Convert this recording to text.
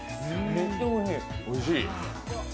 めっちゃおいしい。